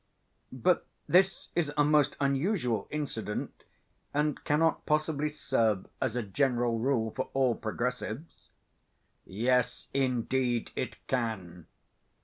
"But this is a most unusual incident and cannot possibly serve as a general rule for all progressives." "Yes, indeed it can.